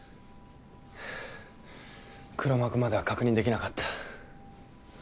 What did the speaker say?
黒幕までは確認できなかった。